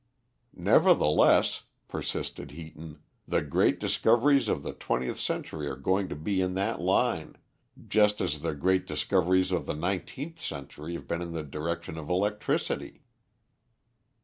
"Nevertheless," persisted Heaton, "the great discoveries of the twentieth century are going to be in that line, just as the great discoveries of the nineteenth century have been in the direction of electricity."